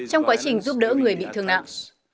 trong quá trình giúp đỡ người bị thương nặng